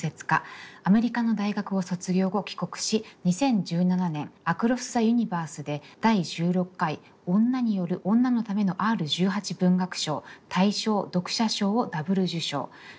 アメリカの大学を卒業後帰国し２０１７年「アクロス・ザ・ユニバース」で第１６回女による女のためのＲ−１８文学賞大賞読者賞をダブル受賞。